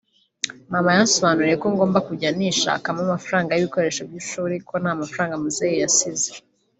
maman yansobanuriye ko ngomba kujya nishakaho amafaranga y’ibikoresho by’ishuli ko nta mafranga muzehe yasize